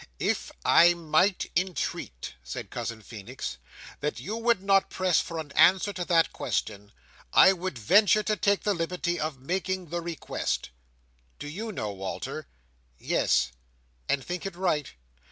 "If I might entreat," said Cousin Feenix, "that you would not press for an answer to that question, I would venture to take the liberty of making the request." "Do you know, Walter?" "Yes." "And think it right?"